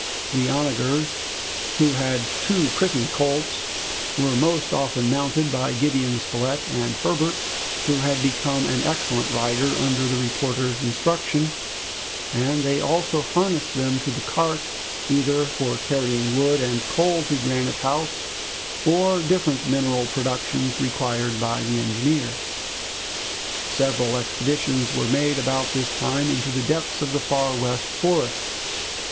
The onagers, who had two pretty colts, were most often mounted by Gideon Spilett and Herbert, who had become an excellent rider under the reporter's instruction, and they also harnessed them to the cart either for carrying wood and coal to Granite House, or different mineral productions required by the engineer. Several expeditions were made about this time into the depths of the Far West Forests.